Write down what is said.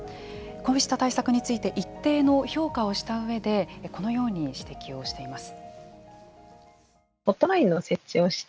こうした対策について一定の評価をした上でこのように指摘をしています。